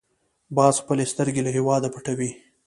باز خپلې سترګې له هېواده پټوي